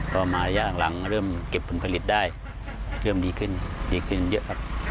ตอนมาระยะหลังเริ่มเก็บผลผลิตได้เริ่มดีขึ้นเดี๋ยวครับ